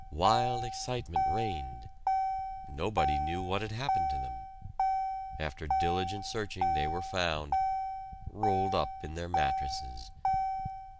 Wild excitement reigned. Nobody knew what had happened to them. After diligent searching they were found rolled up in their mattresses.